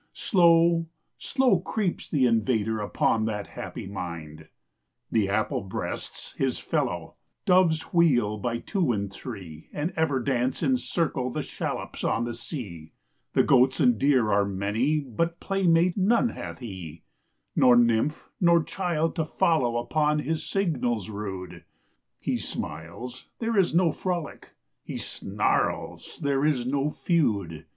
Slow, slow creeps the invader upon that happy mind. The apple breasts his fellow; doves wheel by two and three, And ever dance in circle the shallops on the sea; The goats and deer are many; but playmate none hath he, Nor nymph nor child to follow upon his signals rude; He smiles: there is no frolic; he snarls: there is no feud.